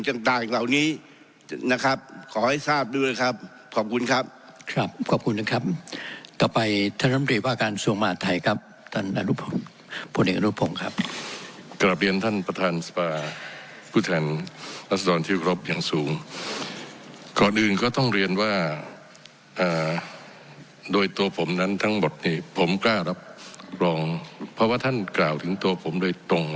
ต่างต่างเหล่านี้นะครับขอให้ทราบด้วยครับขอบคุณครับครับขอบคุณนะครับต่อไปท่านลำตรีว่าการกระทรวงมหาดไทยครับท่านอนุพงศ์พลเอกอนุพงศ์ครับกลับเรียนท่านประธานสภาผู้แทนรัศดรที่ครบอย่างสูงก่อนอื่นก็ต้องเรียนว่าโดยตัวผมนั้นทั้งหมดเนี่ยผมกล้ารับรองเพราะว่าท่านกล่าวถึงตัวผมโดยตรง